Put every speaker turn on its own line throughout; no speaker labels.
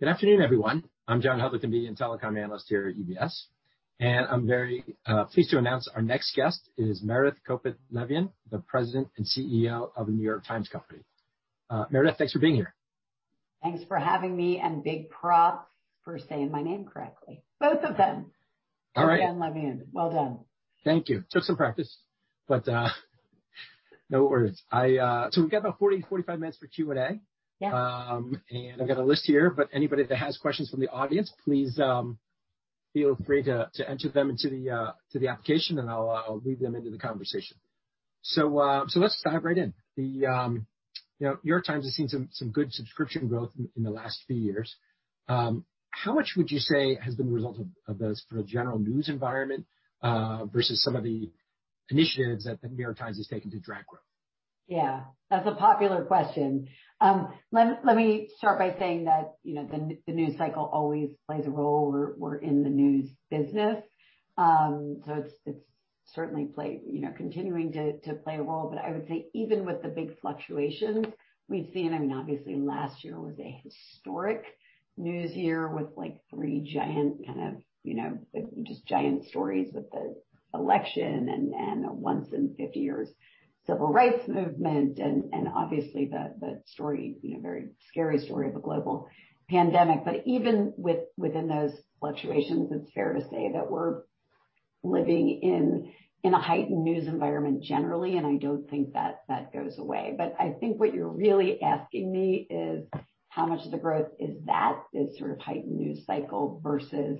Good afternoon, everyone. I'm John Hodulik, a Media and Telecom Analyst here at UBS, and I'm very pleased to announce our next guest is Meredith Kopit Levien, the President and CEO of The New York Times Company. Meredith, thanks for being here.
Thanks for having me, and big props for saying my name correctly, both of them.
All right.
Meredith Kopit Levien. Well done.
Thank you. Took some practice, but, no worries. We've got about 40-45 minutes for Q&A.
Yeah.
I've got a list here, but anybody that has questions from the audience, please, feel free to enter them into the application, and I'll weave them into the conversation. Let's dive right in. You know, The New York Times has seen some good subscription growth in the last few years. How much would you say has been the result of those for the general news environment, versus some of the initiatives that The New York Times has taken to drive growth?
Yeah, that's a popular question. Let me start by saying that, you know, the news cycle always plays a role. We're in the news business. It's certainly continuing to play a role. I would say even with the big fluctuations we've seen, I mean, obviously last year was a historic news year with, like, three giant kind of, you know, just giant stories with the election and a once in 50 years civil rights movement and obviously the story, you know, very scary story of a global pandemic. Even within those fluctuations, it's fair to say that we're living in a heightened news environment generally, and I don't think that goes away. I think what you're really asking me is how much of the growth is that, this sort of heightened news cycle versus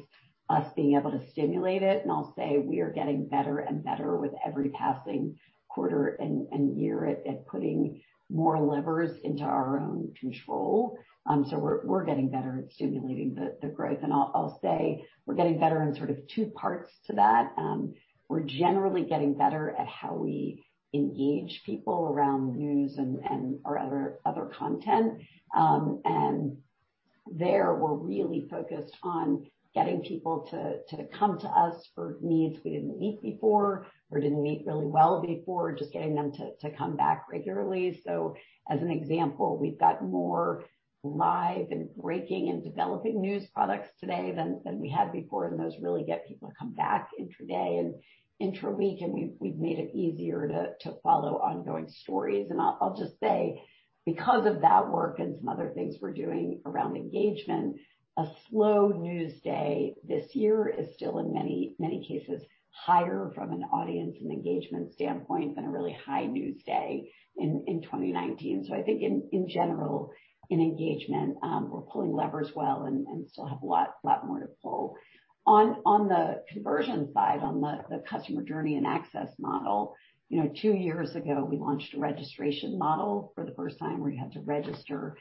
us being able to stimulate it, and I'll say we are getting better and better with every passing quarter and year at putting more levers into our own control. We're getting better at stimulating the growth. I'll say we're getting better in sort of two parts to that. We're generally getting better at how we engage people around news and/or other content. There we're really focused on getting people to come to us for needs we didn't meet before or didn't meet really well before, just getting them to come back regularly. As an example, we've got more live and breaking and developing news products today than we had before, and those really get people to come back intraday and intraweek, and we've made it easier to follow ongoing stories. I'll just say, because of that work and some other things we're doing around engagement, a slow news day this year is still in many, many cases higher from an audience and engagement standpoint than a really high news day in 2019. I think in general, in engagement, we're pulling levers well and still have a lot more to pull. On the conversion side, on the customer journey and access model, you know, two years ago, we launched a registration model for the first time where you had to register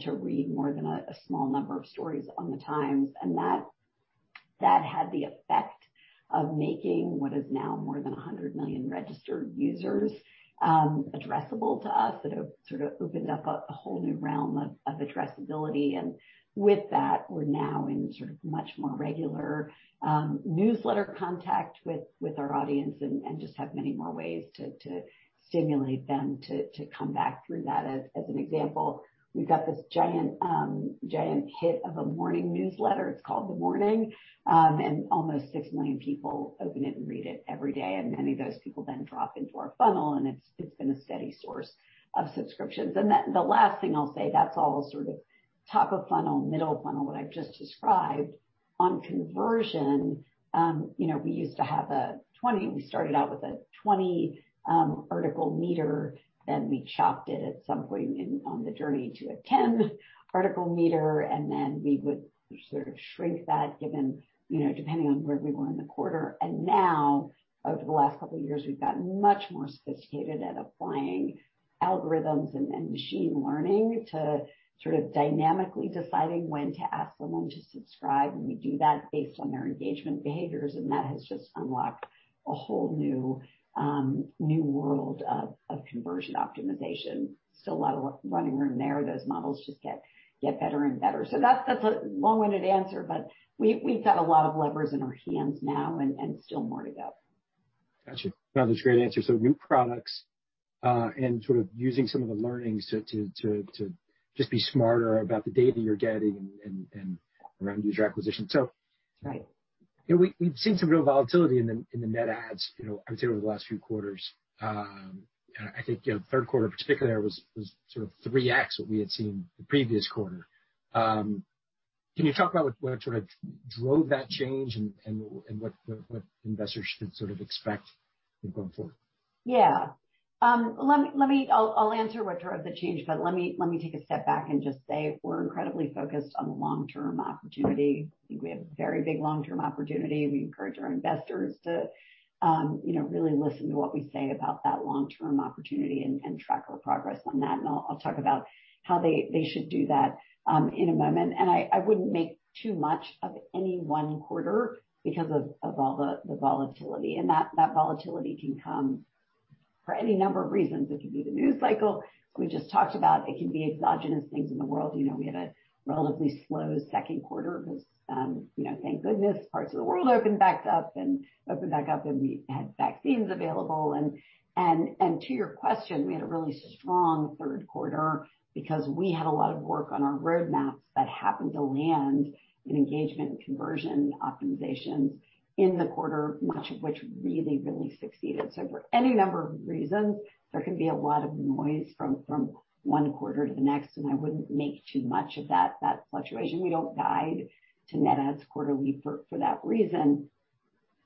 to read more than a small number of stories on The Times. That had the effect of making what is now more than 100 million registered users addressable to us. It sort of opened up a whole new realm of addressability. With that, we're now in sort of much more regular newsletter contact with our audience and just have many more ways to stimulate them to come back through that. As an example, we've got this giant hit of a morning newsletter. It's called The Morning. Almost 6 million people open it and read it every day, and many of those people then drop into our funnel, and it's been a steady source of subscriptions. Then the last thing I'll say, that's all sort of top of funnel, middle of funnel, what I've just described. On conversion, you know, we started out with a 20 article meter, then we chopped it at some point on the journey to a 10 article meter, and then we would sort of shrink that given, you know, depending on where we were in the quarter. Now, over the last couple of years, we've gotten much more sophisticated at applying algorithms and machine learning to sort of dynamically deciding when to ask someone to subscribe, and we do that based on their engagement behaviors, and that has just unlocked a whole new world of conversion optimization. Still a lot of running room there. Those models just get better and better. That's a long-winded answer, but we've got a lot of levers in our hands now and still more to go.
Gotcha. No, that's a great answer. New products, and sort of using some of the learnings to just be smarter about the data you're getting and around user acquisition.
Right.
You know, we've seen some real volatility in the net adds, you know. I would say over the last few quarters. I think, you know, third quarter particularly was sort of 3x what we had seen the previous quarter. Can you talk about what sort of drove that change and what investors should sort of expect going forward?
Yeah. I'll answer what drove the change, but let me take a step back and just say we're incredibly focused on the long-term opportunity. I think we have a very big long-term opportunity. We encourage our investors to, you know, really listen to what we say about that long-term opportunity and track our progress on that. I'll talk about how they should do that, in a moment. I wouldn't make too much of any one quarter because of all the volatility and that volatility can come for any number of reasons. It could be the news cycle we just talked about. It can be exogenous things in the world. You know, we had a relatively slow second quarter because, you know, thank goodness parts of the world opened back up and we had vaccines available. To your question, we had a really strong third quarter because we had a lot of work on our roadmaps that happened to land in engagement and conversion optimizations in the quarter, much of which really succeeded. For any number of reasons, there can be a lot of noise from one quarter to the next, and I wouldn't make too much of that fluctuation. We don't guide to net adds quarterly for that reason.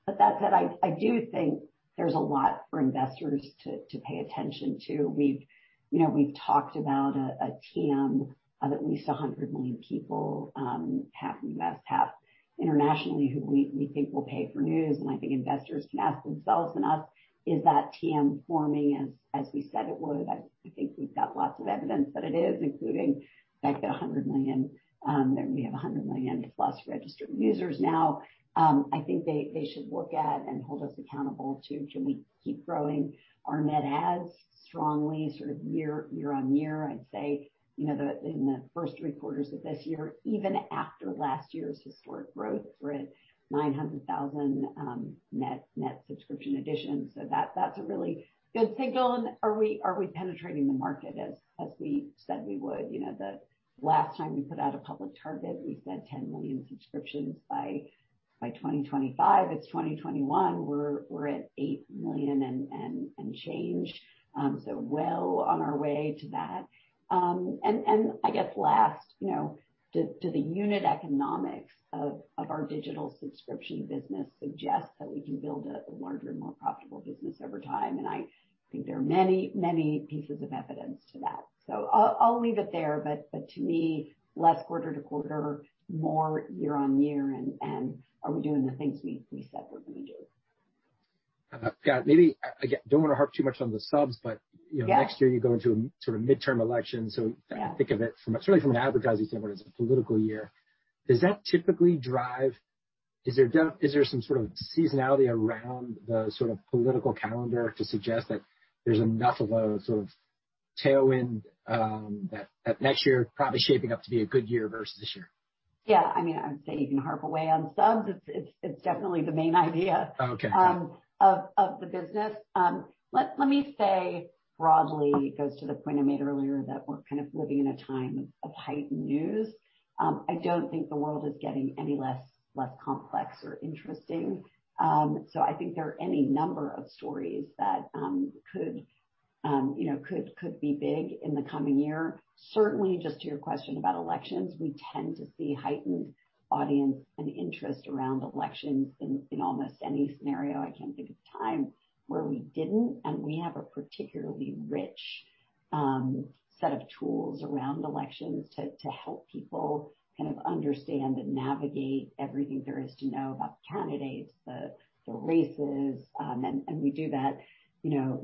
That said, I do think there's a lot for investors to pay attention to. We've talked about a TAM of at least 100 million people, half U.S., half internationally, who we think will pay for news. I think investors can ask themselves and us is that TAM forming as we said it would. I think we've got lots of evidence that it is, including back at 100 million that we have 100 million-plus registered users now. I think they should look at and hold us accountable to can we keep growing our net adds strongly sort of year-over-year. I'd say, you know, in the first three quarters of this year, even after last year's historic growth, we're at 900,000 net subscription additions. That's a really good signal. Are we penetrating the market as we said we would? You know, the last time we put out a public target, we said 10 million subscriptions by 2025. It's 2021, we're at 8 million and change. So well on our way to that. And I guess last, you know, do the unit economics of our digital subscription business suggest that we can build a larger, more profitable business over time? I think there are many pieces of evidence to that. I'll leave it there. To me, less quarter to quarter, more year on year, and are we doing the things we said we're gonna do?
Again, don't want to harp too much on the subs, but you know.
Yeah.
Next year you go into a sort of midterm election.
Yeah.
I think of it from a certainly from an advertising standpoint, as a political year. Does that typically drive, is there some sort of seasonality around the sort of political calendar to suggest that there's enough of a sort of tailwind, that next year probably shaping up to be a good year versus this year?
Yeah. I mean, I would say you can harp away on subs. It's definitely the main idea.
Okay.
Of the business. Let me say broadly, it goes to the point I made earlier that we're kind of living in a time of heightened news. I don't think the world is getting any less complex or interesting. I think there are any number of stories that could, you know, be big in the coming year. Certainly, just to your question about elections, we tend to see heightened audience and interest around elections in almost any scenario. I can't think of a time where we didn't. We have a particularly rich set of tools around elections to help people kind of understand and navigate everything there is to know about the candidates, the races. We do that, you know,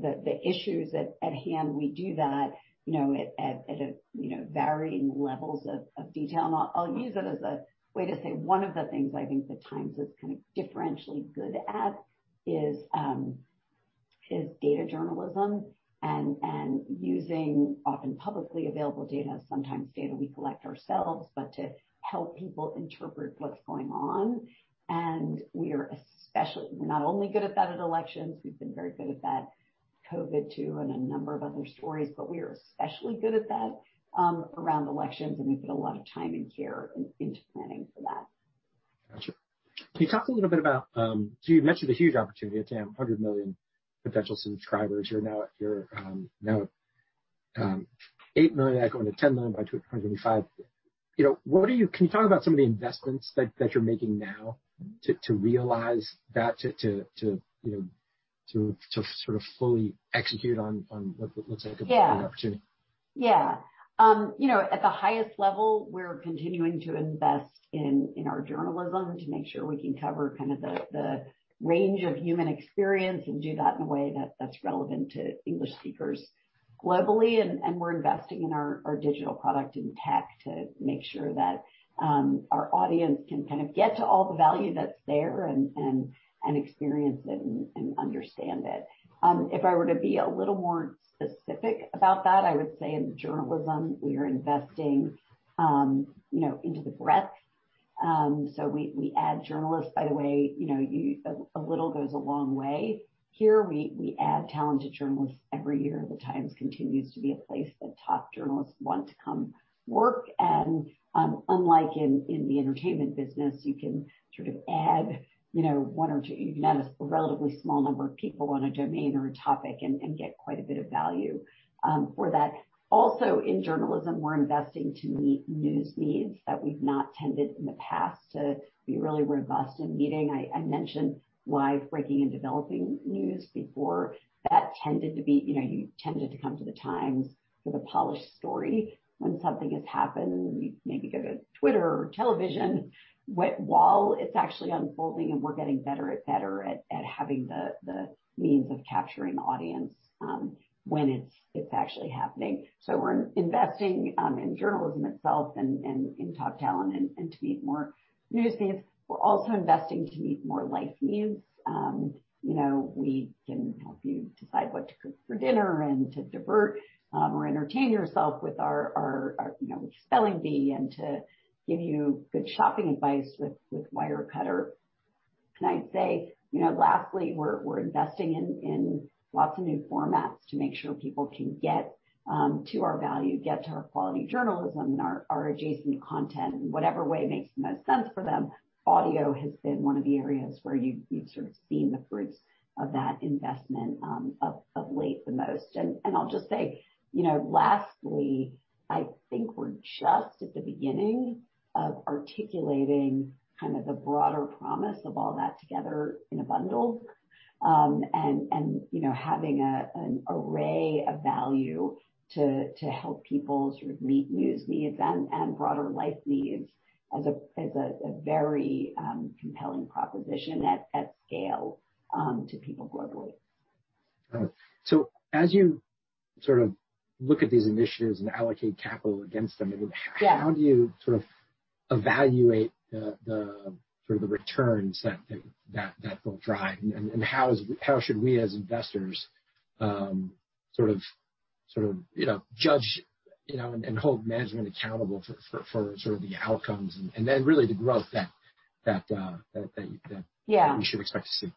at a you know varying levels of detail. I'll use it as a way to say one of the things I think The Times is kind of differentially good at is data journalism and using often publicly available data, sometimes data we collect ourselves, but to help people interpret what's going on. We're not only good at that at elections, we've been very good at that COVID too, and a number of other stories, but we are especially good at that around elections, and we put a lot of time and care into planning for that.
Gotcha. Can you talk a little bit about, so you mentioned the huge opportunity at TAM, 100 million potential subscribers. You're now at 8 million, going to 10 million by 2025. You know, can you talk about some of the investments that you're making now to realize that, you know, to sort of fully execute on what looks like?
Yeah.
A big opportunity?
Yeah. You know, at the highest level, we're continuing to invest in our journalism to make sure we can cover kind of the range of human experience and do that in a way that's relevant to English speakers globally. We're investing in our digital product and tech to make sure that our audience can kind of get to all the value that's there and experience it and understand it. If I were to be a little more specific about that, I would say in the journalism, we are investing, you know, into the breadth. So we add journalists. By the way, you know, a little goes a long way. Here, we add talented journalists every year. The Times continues to be a place that top journalists want to come work. Unlike in the entertainment business, you can sort of add, you know, one or two. You can add relatively small number of people on a domain or a topic and get quite a bit of value for that. Also, in journalism, we're investing to meet news needs that we've not tended in the past to be really robust in meeting. I mentioned live breaking and developing news before. That tended to be, you know, you tended to come to The Times for the polished story when something has happened, and you maybe go to Twitter or television while it's actually unfolding, and we're getting better and better at having the means of capturing audience when it's actually happening. We're investing in journalism itself and in top talent and to meet more news needs. We're also investing to meet more life needs. You know, we can help you decide what to cook for dinner and to divert or entertain yourself with our Spelling Bee and to give you good shopping advice with Wirecutter. Can I say, you know, lastly, we're investing in lots of new formats to make sure people can get to our value, get to our quality journalism and our adjacent content in whatever way makes the most sense for them. Audio has been one of the areas where you've sort of seen the fruits of that investment of late the most. I'll just say, you know, lastly, I think we're just at the beginning of articulating kind of the broader promise of all that together in a bundle. You know, having an array of value to help people sort of meet news needs and broader life needs as a very compelling proposition at scale to people globally.
Got it. As you sort of look at these initiatives and allocate capital against them.
Yeah.
How do you sort of evaluate the sort of returns that will drive? How should we as investors sort of, you know, judge, you know, and hold management accountable for sort of the outcomes and then really the growth that?
Yeah.
We should expect to see?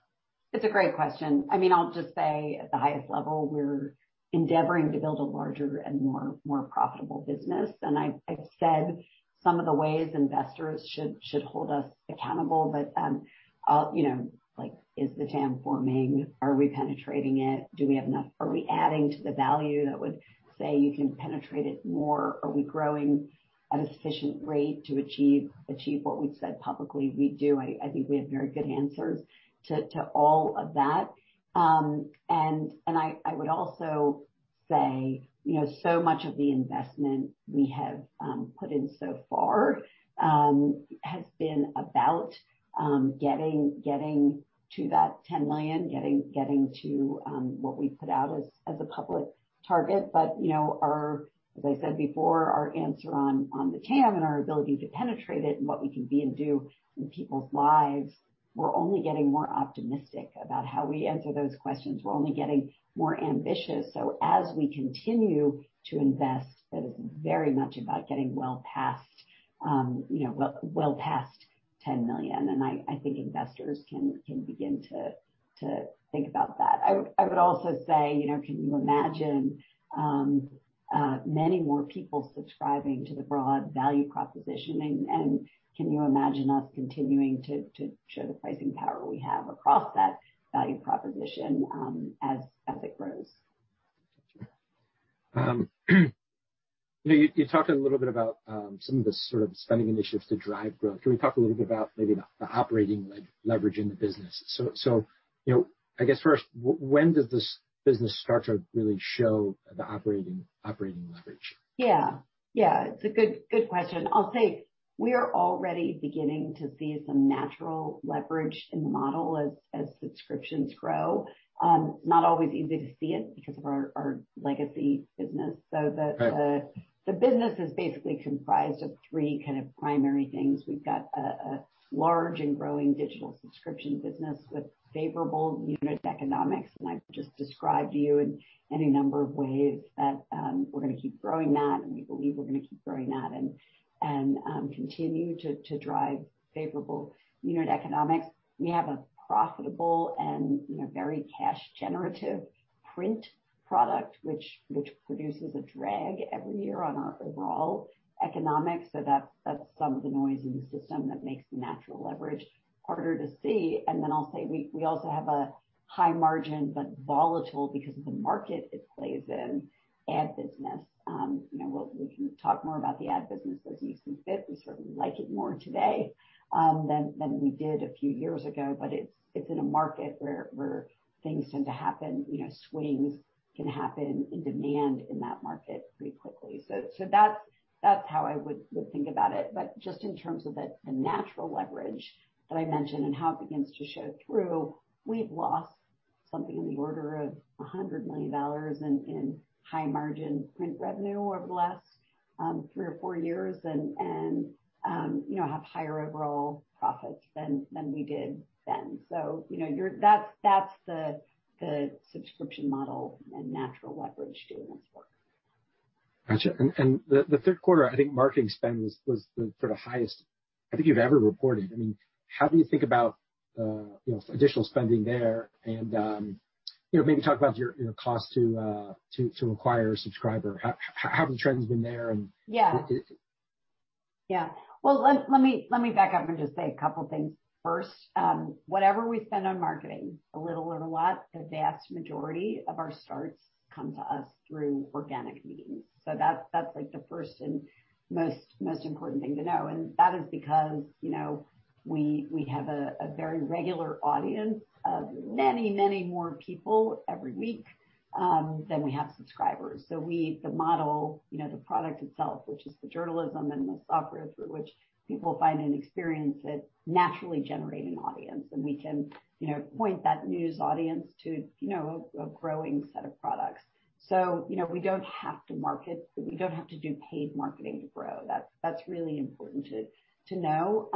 It's a great question. I mean, I'll just say at the highest level, we're endeavoring to build a larger and more profitable business. I've said some of the ways investors should hold us accountable, but I'll you know like is the TAM forming? Are we penetrating it? Do we have enough? Are we adding to the value that would say you can penetrate it more? Are we growing at a sufficient rate to achieve what we've said publicly we do? I think we have very good answers to all of that. I would also say, you know, so much of the investment we have put in so far has been about getting to that 10 million, getting to what we put out as a public target. You know, our answer on the TAM and our ability to penetrate it and what we can be and do in people's lives, we're only getting more optimistic about how we answer those questions. We're only getting more ambitious. As we continue to invest, that is very much about getting well past 10 million, and I think investors can begin to think about that. I would also say, you know, can you imagine many more people subscribing to the broad value proposition? Can you imagine us continuing to show the pricing power we have across that value proposition, as it grows?
You know, you talked a little bit about some of the sort of spending initiatives to drive growth. Can we talk a little bit about maybe the operating leverage in the business? You know, I guess first, when does this business start to really show the operating leverage?
Yeah. It's a good question. I'll say we are already beginning to see some natural leverage in the model as subscriptions grow. It's not always easy to see it because of our legacy business.
Right.
The business is basically comprised of three kind of primary things. We've got a large and growing digital subscription business with favorable unit economics, and I've just described to you in any number of ways that we're gonna keep growing that, and we believe we're gonna keep growing that and continue to drive favorable unit economics. We have a profitable and, you know, very cash generative print product, which produces a drag every year on our overall economics. That's some of the noise in the system that makes the natural leverage harder to see. Then I'll say we also have a high margin, but volatile because of the market it plays in ad business. You know, we can talk more about the ad business as needed and if. We certainly like it more today than we did a few years ago, but it's in a market where things tend to happen, you know, swings can happen in demand in that market pretty quickly. That's how I would think about it. Just in terms of the natural leverage that I mentioned and how it begins to show through, we've lost something in the order of $100 million in high margin print revenue over the last three or four years and you know, have higher overall profits than we did then. You know, that's the subscription model and natural leverage doing its work.
Gotcha. The third quarter, I think marketing spend was the sort of highest I think you've ever reported. I mean, how do you think about, you know, additional spending there and, you know, maybe talk about your, you know, cost to acquire a subscriber. How have the trends been there and-
Yeah. Yeah. Well, let me back up and just say a couple things first. Whatever we spend on marketing, a little or a lot, the vast majority of our starts come to us through organic means. That's like the first and most important thing to know. That is because, you know, we have a very regular audience of many more people every week than we have subscribers. The model, you know, the product itself, which is the journalism and the software through which people find and experience it, naturally generate an audience. We can, you know, point that news audience to, you know, a growing set of products. You know, we don't have to market. We don't have to do paid marketing to grow. That's really important to know.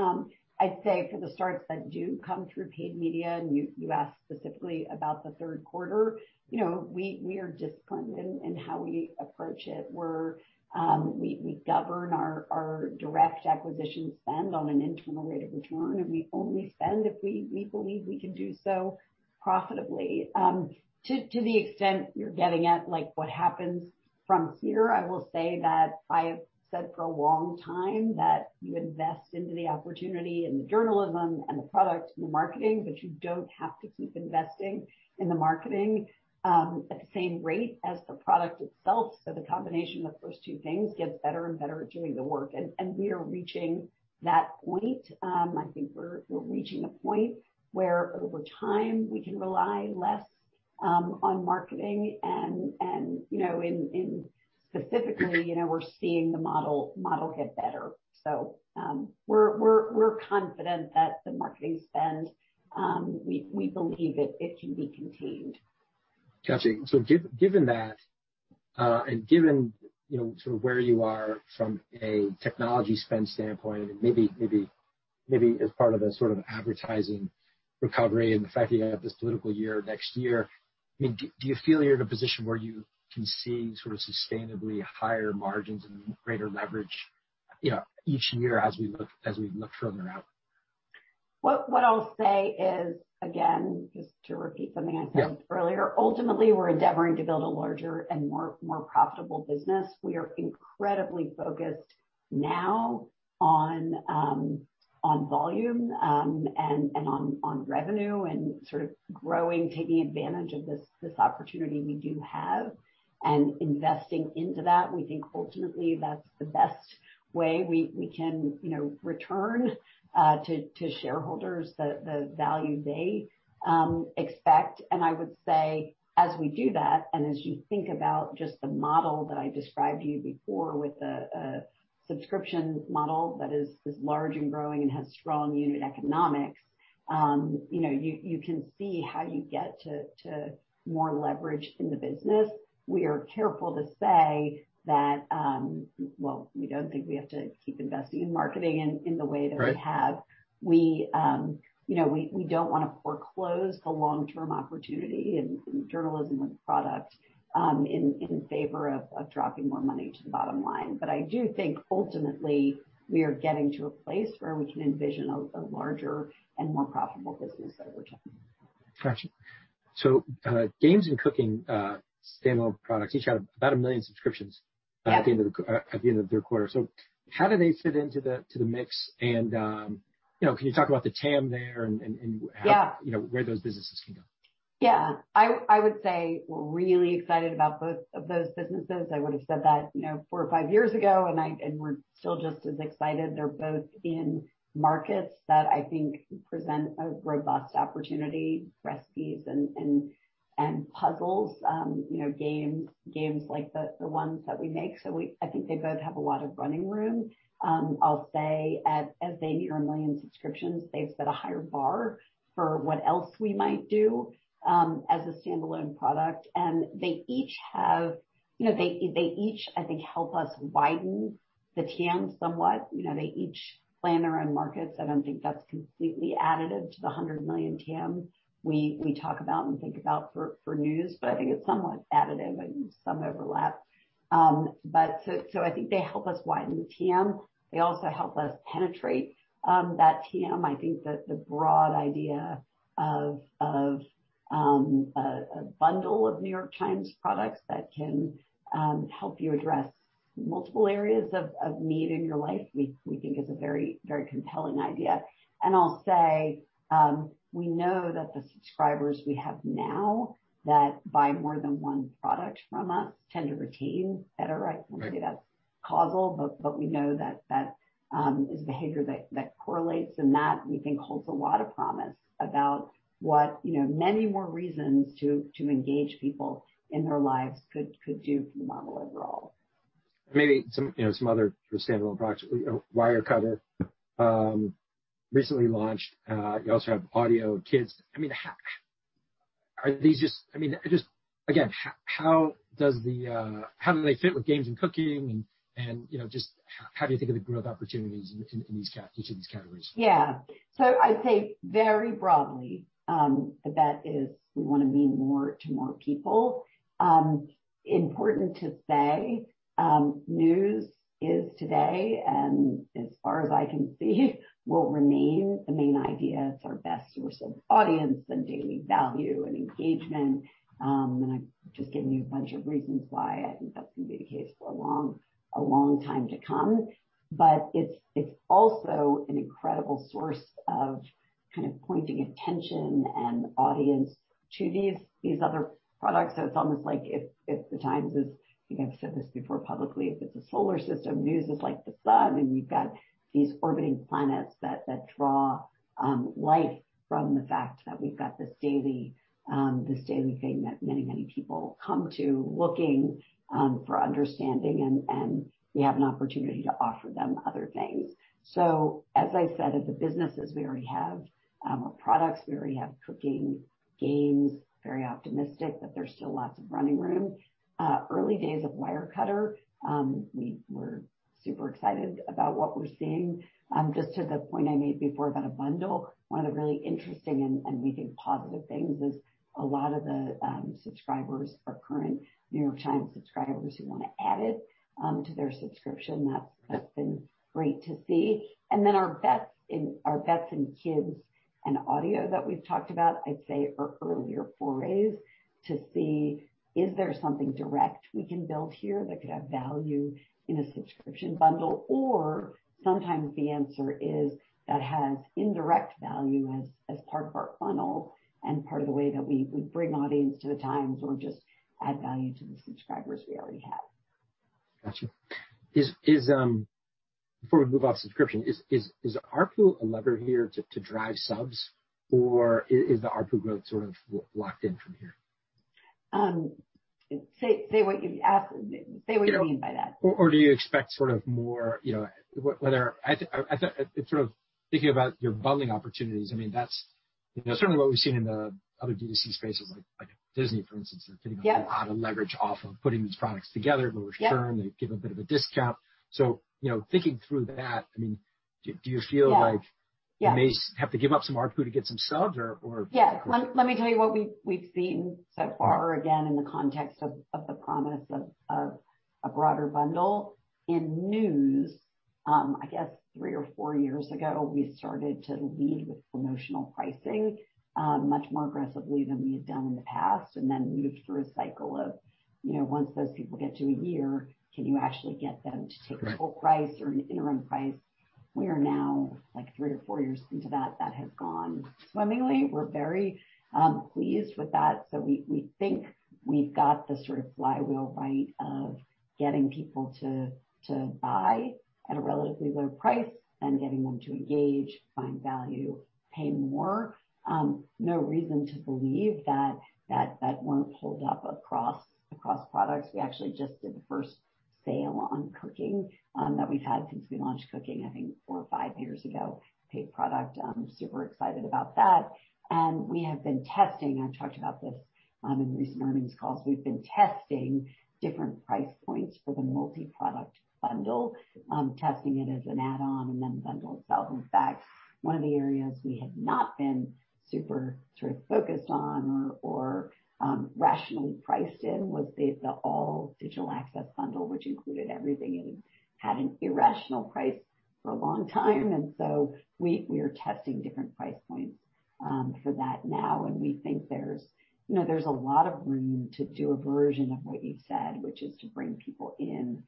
I'd say for the starts that do come through paid media, and you asked specifically about the third quarter, you know, we are disciplined in how we approach it. We govern our direct acquisition spend on an internal rate of return, and we only spend if we believe we can do so profitably. To the extent you're getting at, like, what happens from here, I will say that I have said for a long time that you invest into the opportunity and the journalism and the product and the marketing, but you don't have to keep investing in the marketing at the same rate as the product itself. The combination of those two things gets better and better at doing the work. We are reaching that point. I think we're reaching a point where over time, we can rely less on marketing and you know, specifically, you know, we're seeing the model get better. We're confident that the marketing spend we believe it can be contained.
Got you. Given that, and given, you know, sort of where you are from a technology spend standpoint, and maybe as part of a sort of advertising recovery and the fact that you have this political year next year, I mean, do you feel you're in a position where you can see sort of sustainably higher margins and greater leverage, you know, each year as we look further out?
What I'll say is, again, just to repeat something I said earlier. Ultimately, we're endeavoring to build a larger and more profitable business. We are incredibly focused now on volume and on revenue and sort of growing, taking advantage of this opportunity we do have and investing into that. We think ultimately that's the best way we can, you know, return to shareholders the value they expect. I would say, as we do that, and as you think about just the model that I described to you before with the subscription model that is large and growing and has strong unit economics, you know, you can see how you get to more leverage in the business. We are careful to say that, well, we don't think we have to keep investing in marketing in the way that we have. We, you know, we don't wanna foreclose the long-term opportunity in journalism and the product in favor of dropping more money to the bottom line. I do think ultimately, we are getting to a place where we can envision a larger and more profitable business over time.
Got you. Games and Cooking, standalone products, each have about 1 million subscriptions.
Yeah.
At the end of the third quarter. How do they fit into the mix? You know, can you talk about the TAM there and how-
Yeah.
you know, where those businesses can go.
Yeah. I would say we're really excited about both of those businesses. I would've said that, you know, four or five years ago, and we're still just as excited. They're both in markets that I think present a robust opportunity. Recipes and Puzzles, you know, games like the ones that we make. I think they both have a lot of running room. I'll say as they near 1 million subscriptions, they've set a higher bar for what else we might do, as a standalone product. You know, they each, I think, help us widen the TAM somewhat. You know, they each play in their own markets. I don't think that's completely additive to the $100 million TAM we talk about and think about for news, but I think it's somewhat additive and some overlap. I think they help us widen the TAM. They also help us penetrate that TAM. I think that the broad idea of a bundle of New York Times products that can help you address multiple areas of need in your life, we think is a very compelling idea. I'll say, we know that the subscribers we have now that buy more than one product from us tend to retain at a rate.
Right.
I won't say that's causal, but we know that is behavior that correlates and that we think holds a lot of promise about what, you know, many more reasons to engage people in their lives could do for the model overall.
Maybe some, you know, some other standalone products. Wirecutter recently launched. You also have Audio Kids. I mean, how do they fit with Games and Cooking and, you know, just how do you think of the growth opportunities in each of these categories?
Yeah. I'd say very broadly, the bet is we wanna mean more to more people. Important to say, news is today, and as far as I can see, will remain the main idea. It's our best source of audience and daily value and engagement. I've just given you a bunch of reasons why I think that's gonna be the case for a long time to come. But it's also an incredible source of kind of pointing attention and audience to these other products. It's almost like if The Times is a solar system, news is like the sun, and we've got these orbiting planets that draw life from the fact that we've got this daily thing that many people come to looking for understanding, and we have an opportunity to offer them other things. As I said of the businesses we already have or products we already have, Cooking, Games, very optimistic that there's still lots of running room. Early days of Wirecutter, we're super excited about what we're seeing. Just to the point I made before about a bundle, one of the really interesting and we think positive things is a lot of the subscribers are current New York Times subscribers who want to add it to their subscription. That's been great to see. Then our bets in Kids and Audio that we've talked about, I'd say are earlier forays to see is there something direct we can build here that could have value in a subscription bundle? Or sometimes the answer is that has indirect value as part of our funnel and part of the way that we bring audience to The Times or just add value to the subscribers we already have.
Got you. Before we move off subscription, is ARPU a lever here to drive subs, or is the ARPU growth sort of locked in from here?
Say what you mean by that.
Do you expect sort of more, you know, whether I think it's sort of thinking about your bundling opportunities. I mean, that's, you know, certainly what we've seen in the other D2C spaces like Disney, for instance.
Yeah.
They're getting a lot of leverage off of putting these products together.
Yeah.
Lower churn, they give a bit of a discount. You know, thinking through that, I mean, do you feel like-
Yeah. Yeah.
You may have to give up some ARPU to get some subs or.
Yeah. Let me tell you what we've seen so far, again, in the context of the promise of a broader bundle. In News, I guess three or four years ago, we started to lead with promotional pricing, much more aggressively than we had done in the past, and then moved through a cycle of, you know, once those people get to a year, can you actually get them to take.
Right.
Full price or an interim price? We are now, like, three to four years into that. That has gone swimmingly. We're very pleased with that. We think we've got the sort of flywheel right of getting people to buy at a relatively low price and getting them to engage, find value, pay more. No reason to believe that won't hold up across products. We actually just did the first sale on Cooking that we've had since we launched Cooking, I think four to five years ago. Paid product. I'm super excited about that. We have been testing. I've talked about this in recent earnings calls. We've been testing different price points for the multi-product bundle, testing it as an add-on and then the bundle itself. In fact, one of the areas we had not been super sort of focused on or rationally priced in was the all digital access bundle, which included everything and had an irrational price for a long time. We are testing different price points for that now, and we think there's, you know, a lot of room to do a version of what you said, which is to bring people in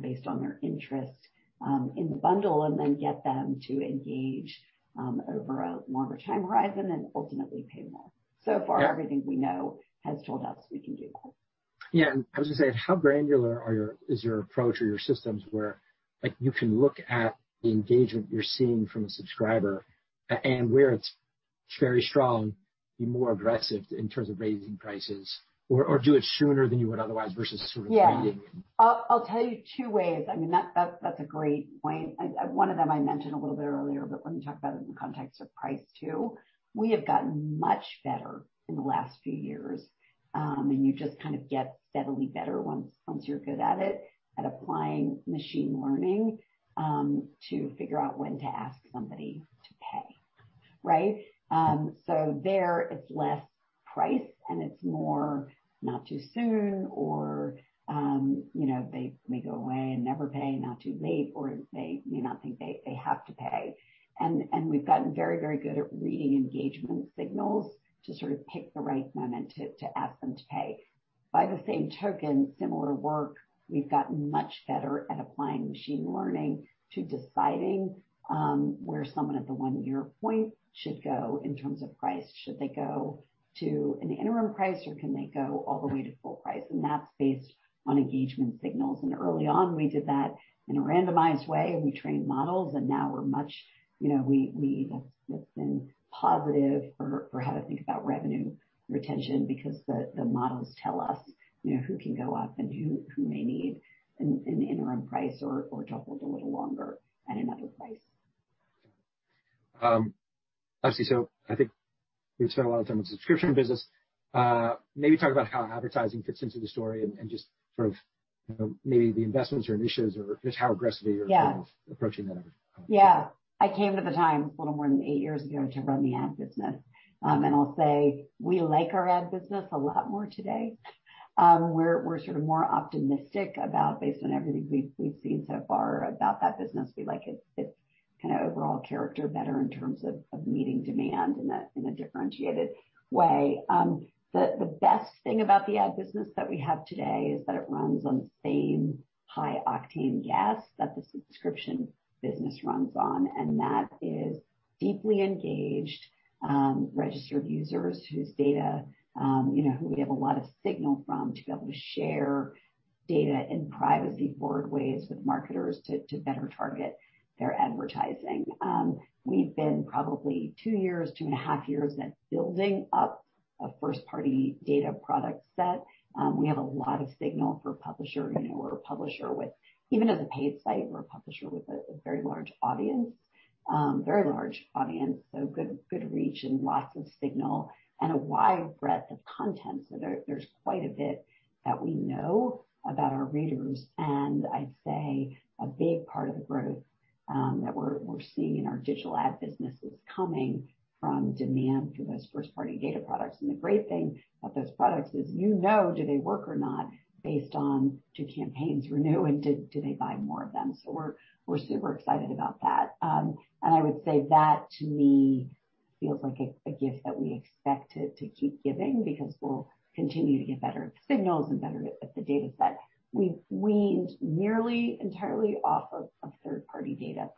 based on their interest in the bundle and then get them to engage over a longer time horizon and ultimately pay more.
Yeah.
So far, everything we know has told us we can do that.
Yeah. I was gonna say, how granular is your approach or your systems where, like, you can look at the engagement you're seeing from a subscriber and where it's very strong, be more aggressive in terms of raising prices or do it sooner than you would otherwise versus sort of waiting?
Yeah. I'll tell you two ways. I mean, that's a great point. One of them I mentioned a little bit earlier, but let me talk about it in the context of price too. We have gotten much better in the last few years, and you just kind of get steadily better once you're good at it, at applying machine learning to figure out when to ask somebody to pay, right? So there it's less price and it's more not too soon or, you know, they may go away and never pay, not too late, or they may not think they have to pay. We've gotten very, very good at reading engagement signals to sort of pick the right moment to ask them to pay. By the same token, similar work, we've gotten much better at applying machine learning to deciding where someone at the one-year point should go in terms of price. Should they go to an interim price, or can they go all the way to full price? That's based on engagement signals. Early on, we did that in a randomized way, and we trained models, and now we're much, you know, that's been positive for how to think about revenue retention because the models tell us, you know, who can go up and who may need an interim price or to hold a little longer at another price.
Obviously, I think we've spent a lot of time on subscription business. Maybe talk about how advertising fits into the story and just sort of, you know, maybe the investments or initiatives or just how aggressively you're-
Yeah.
Approaching that over time.
Yeah. I came to The Times a little more than eight years ago to run the ad business. I'll say we like our ad business a lot more today. We're sort of more optimistic about it based on everything we've seen so far about that business. We like its kinda overall character better in terms of meeting demand in a differentiated way. The best thing about the ad business that we have today is that it runs on the same high octane gas that the subscription business runs on, and that is deeply engaged registered users whose data we have a lot of signal from to be able to share data in privacy forward ways with marketers to better target their advertising. We've been probably two years, two in a half years now building up a first-party data product set. We have a lot of signal for publisher, you know, we're a publisher with even as a paid site, we're a publisher with a very large audience. Very large audience, good reach and lots of signal and a wide breadth of content. There's quite a bit that we know about our readers. I'd say a big part of the growth that we're seeing in our digital ad business is coming from demand for those first-party data products. The great thing about those products is you know, do they work or not based on do campaigns renew and do they buy more of them? We're super excited about that. I would say that to me feels like a gift that we expect to keep giving because we'll continue to get better at the signals and better at the data set. We've weaned nearly entirely off of third-party data.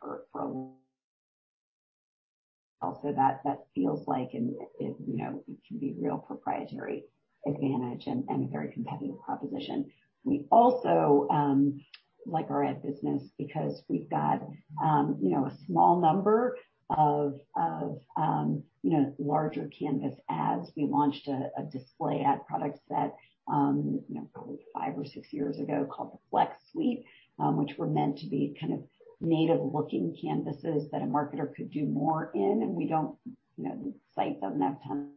That feels like, and it, you know, it can be a real proprietary advantage and a very competitive proposition. We also like our ad business because we've got, you know, a small number of larger canvas ads. We launched a display ad product set, you know, probably five or six years ago called the Flex Suite, which were meant to be kind of native-looking canvases that a marketer could do more in, and we don't, you know, cite them at that time.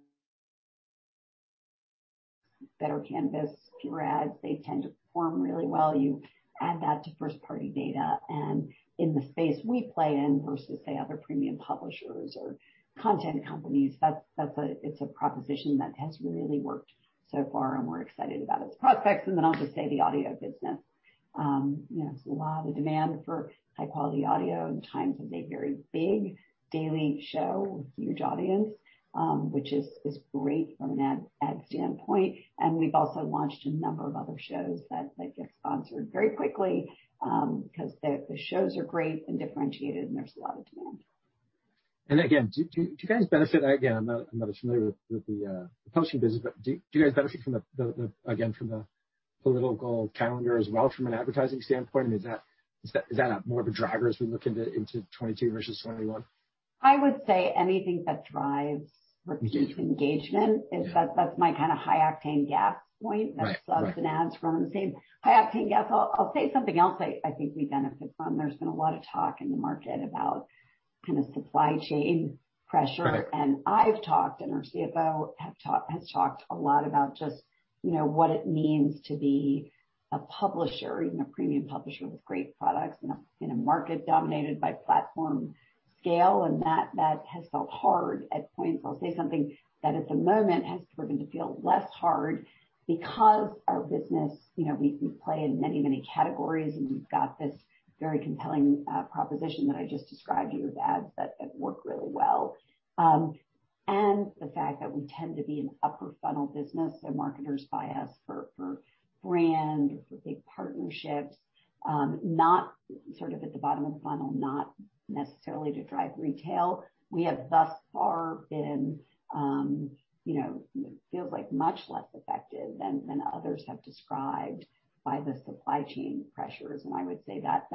Better canvas for ads, they tend to perform really well. You add that to first-party data, and in the space we play in versus, say, other premium publishers or content companies, that's a proposition that has really worked so far, and we're excited about its prospects. Then I'll just say the audio business. You know, there's a lot of demand for high-quality audio, and Times has a very big daily show with huge audience, which is great from an ad standpoint. We've also launched a number of other shows that get sponsored very quickly, because the shows are great and differentiated and there's a lot of demand.
Again, do you guys benefit? Again, I'm not as familiar with the publishing business, but do you guys benefit from the political calendar as well from an advertising standpoint? I mean, is that a more of a driver as we look into 2022 versus 2021?
I would say anything that drives.
Mm-hmm.
Repeat engagement.
Yeah.
That's my kind of high octane gas point.
Right. Right.
that slows ads from the same high-octane gas. I'll say something else I think we benefit from. There's been a lot of talk in the market about kind of supply chain pressure.
Right.
I've talked, and our CFO has talked a lot about just, you know, what it means to be a publisher, even a premium publisher with great products in a market dominated by platform scale, and that has felt hard at points. I'll say something that at the moment has proven to feel less hard because our business, you know, we play in many categories, and we've got this very compelling proposition that I just described to you of ads that work really well. The fact that we tend to be an upper funnel business, marketers buy us for brand or for big partnerships, not sort of at the bottom of the funnel, not necessarily to drive retail. We have thus far been, you know, feels like much less affected than others have described by the supply chain pressures. I would say that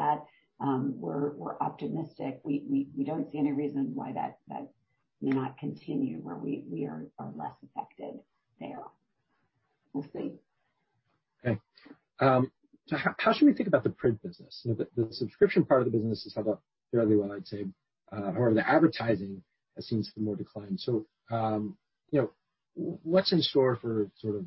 we're optimistic. We don't see any reason why that may not continue where we are less affected there. We'll see.
Okay. So how should we think about the print business? You know, the subscription part of the business has held up fairly well, I'd say. Or the advertising has seemed to be more declined. You know, what's in store for sort of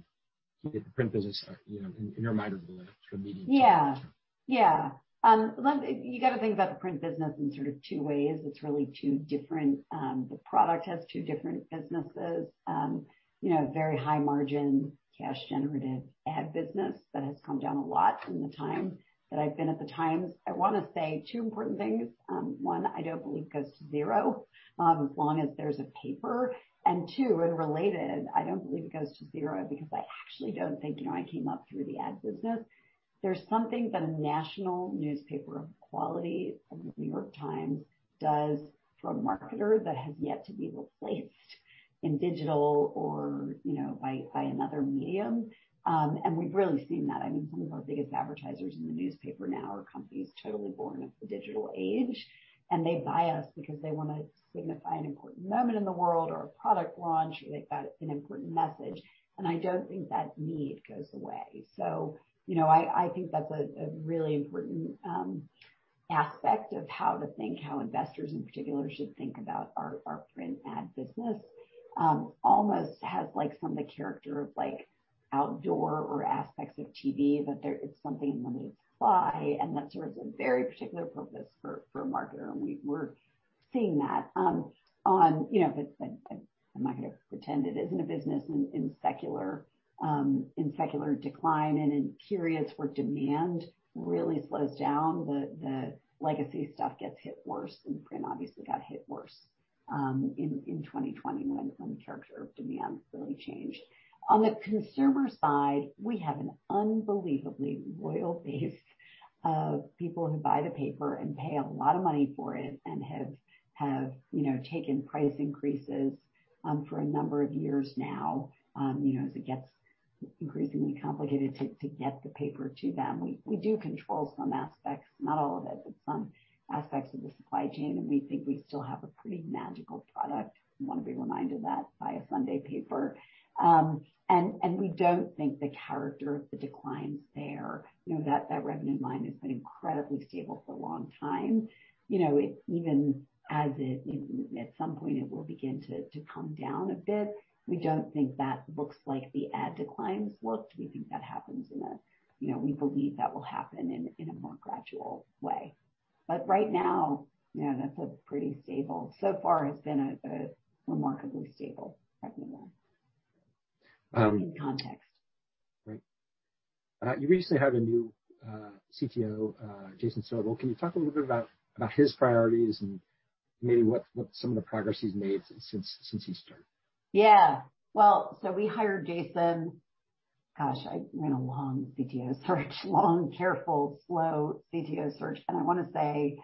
the print business, you know, in your mind over the next medium term?
Yeah. You gotta think about the print business in sort of two ways. It's really two different businesses. You know, very high margin, cash generative ad business that has come down a lot in the time that I've been at The Times. I wanna say two important things. One, I don't believe goes to zero, as long as there's a paper, and two, and related, I don't believe it goes to zero because I actually don't think, you know, I came up through the ad business. There's something that a national newspaper of quality, The New York Times, does for a marketer that has yet to be replaced in digital or, you know, by another medium. We've really seen that. I mean, some of our biggest advertisers in the newspaper now are companies totally born of the digital age, and they buy us because they wanna signify an important moment in the world or a product launch. They've got an important message, and I don't think that need goes away. You know, I think that's a really important aspect of how to think, how investors in particular should think about our print ad business. Almost has like some of the character of like outdoor or aspects of TV that there is something limited supply and that serves a very particular purpose for a marketer, and we're seeing that. On, you know, I'm not gonna pretend it isn't a business in secular decline and in periods where demand really slows down, the legacy stuff gets hit worse, and print obviously got hit worse in 2020 when the character of demand really changed. On the consumer side, we have an unbelievably loyal base of people who buy the paper and pay a lot of money for it and have, you know, taken price increases for a number of years now. You know, as it gets increasingly complicated to get the paper to them. We do control some aspects, not all of it, but some aspects of the supply chain, and we think we still have a pretty magical product. We want to be reminded of that by a Sunday paper. We don't think the character of the declines there, you know, that revenue line has been incredibly stable for a long time. You know, even as it, you know, at some point it will begin to come down a bit. We don't think that looks like the ad declines looked. We believe that will happen in a more gradual way. Right now, you know, that's a pretty stable. So far it's been a remarkably stable revenue line, in context.
Right. You recently had a new CTO, Jason Sobel. Can you talk a little bit about his priorities and maybe what some of the progress he's made since he started?
Yeah. Well, we hired Jason. Gosh, I ran a long CTO search, long, careful, slow CTO search, and I wanna say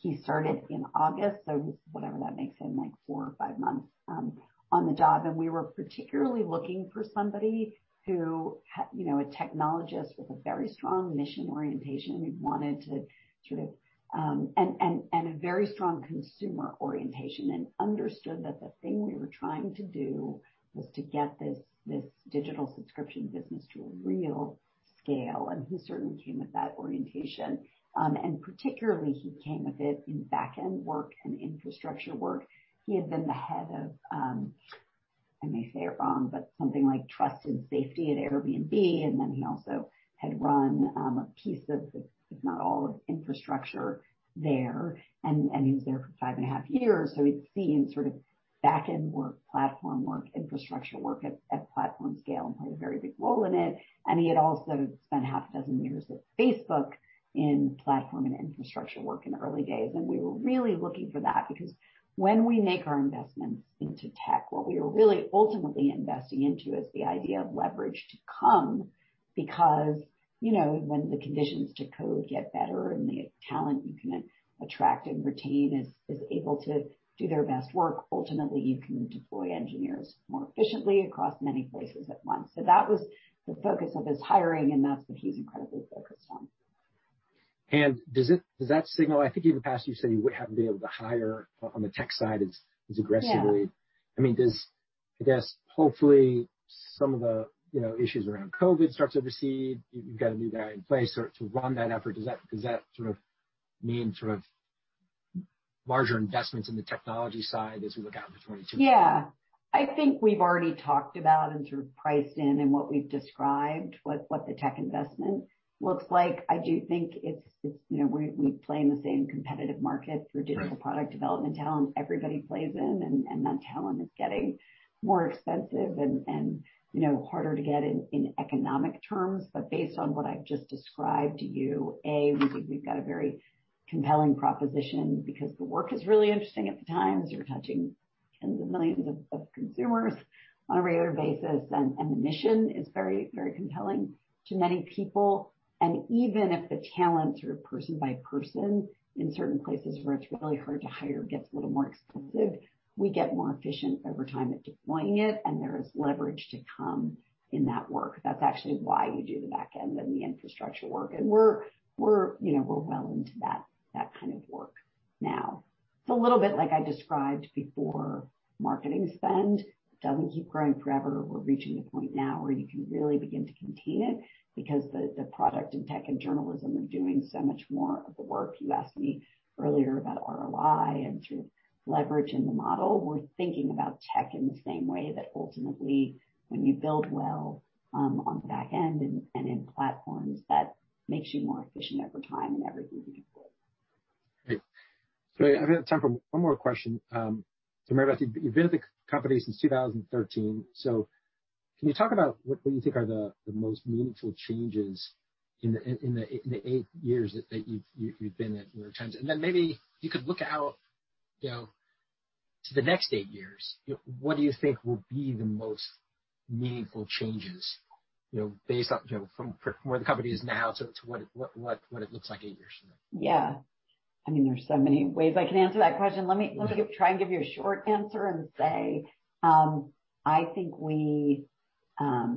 he started in August, so whatever that makes him, like four or five months on the job. We were particularly looking for somebody who you know, a technologist with a very strong mission orientation. We wanted to sort of and a very strong consumer orientation and understood that the thing we were trying to do was to get this digital subscription business to a real scale. He certainly came with that orientation. Particularly he came with it in back-end work and infrastructure work. He had been the head of, I may say it wrong, but something like trust and safety at Airbnb, and then he also had run, a piece of, if not all of infrastructure there. He was there for five and a half years, so he'd seen sort of back-end work, platform work, infrastructure work at platform scale, and played a very big role in it. He had also spent half a dozen years at Facebook in platform and infrastructure work in the early days. We were really looking for that because when we make our investments into tech, what we are really ultimately investing into is the idea of leverage to come. Because, you know, when the conditions to code get better and the talent you can attract and retain is able to do their best work, ultimately you can deploy engineers more efficiently across many places at once. That was the focus of his hiring, and that's what he's incredibly focused on.
Does that signal? I think in the past you said you wouldn't have been able to hire on the tech side as aggressively.
Yeah.
I mean, does, I guess, hopefully some of the, you know, issues around COVID starts to recede. You've got a new guy in place to run that effort. Does that sort of mean sort of larger investments in the technology side as we look out to 2022?
Yeah. I think we've already talked about and sort of priced in and what we've described, what the tech investment looks like. I do think it's, you know, we play in the same competitive market for-
Right.
Digital product development talent everybody plays in, and that talent is getting more expensive and, you know, harder to get in economic terms. Based on what I've just described to you, A, we think we've got a very compelling proposition because the work is really interesting at The Times. You're touching tens of millions of consumers on a regular basis. The mission is very, very compelling to many people. Even if the talent sort of person by person in certain places where it's really hard to hire gets a little more expensive, we get more efficient over time at deploying it, and there is leverage to come in that work. That's actually why you do the back end and the infrastructure work. We're, you know, well into that kind of work now. It's a little bit like I described before, marketing spend. It doesn't keep growing forever. We're reaching the point now where you can really begin to contain it because the product and tech and journalism are doing so much more of the work. You asked me earlier about ROI and sort of leverage in the model. We're thinking about tech in the same way that ultimately when you build well, on the back end and in platforms, that makes you more efficient over time in everything you deploy.
Great. I have time for one more question. Meredith, you've been at the company since 2013. Can you talk about what you think are the most meaningful changes in the eight years that you've been at The New York Times? Then maybe you could look out, you know, to the next eight years. You know, what do you think will be the most meaningful changes, you know, based on, you know, from where the company is now to what it looks like eight years from now?
Yeah. I mean, there's so many ways I can answer that question. Let me try and give you a short answer and say, I think we are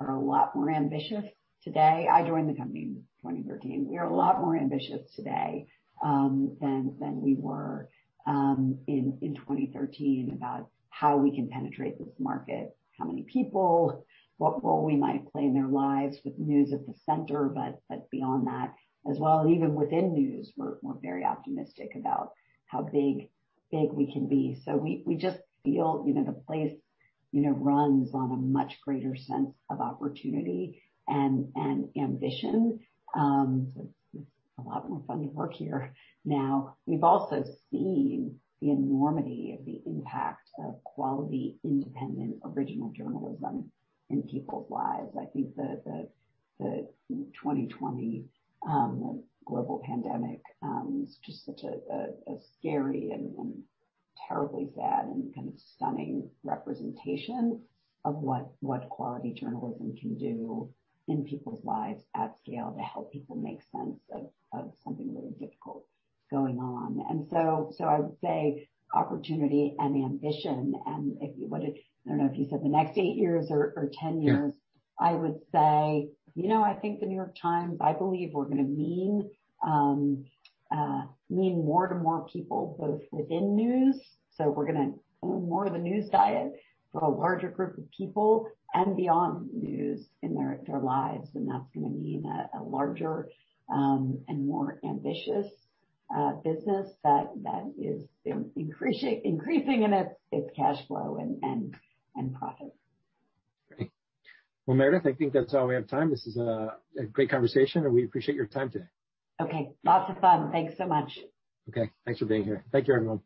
a lot more ambitious today. I joined the company in 2013. We are a lot more ambitious today than we were in 2013 about how we can penetrate this market, how many people, what role we might play in their lives with news at the center, but beyond that as well. Even within news, we're very optimistic about how big we can be. So we just feel, you know, the place, you know, runs on a much greater sense of opportunity and ambition. So it's a lot more fun to work here now. We've also seen the enormity of the impact of quality, independent, original journalism in people's lives. I think the 2020 global pandemic was just such a scary and terribly sad and kind of stunning representation of what quality journalism can do in people's lives at scale to help people make sense of something really difficult going on. I would say opportunity and ambition. I don't know if you said the next eight years or 10 years.
Yeah.
I would say, you know, I think The New York Times, I believe we're gonna mean more to more people, both within news, so we're gonna own more of the news diet for a larger group of people and beyond news in their lives. That's gonna mean a larger and more ambitious business that is, you know, increasing in its cash flow and profits.
Great. Well, Meredith, I think that's all the time we have. This is a great conversation, and we appreciate your time today.
Okay. Lots of fun. Thanks so much.
Okay. Thanks for being here. Thank you, everyone.